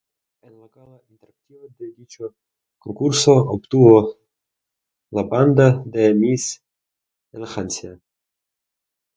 En la Gala Interactiva de dicho concurso, obtuvo la banda de "Miss Elegancia".